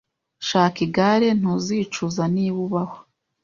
Shaka igare. Ntuzicuza, niba ubaho.